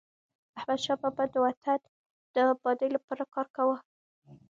احمدشاه بابا د وطن د ابادی لپاره کار کاوه.